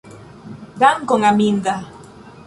Dankon, Aminda!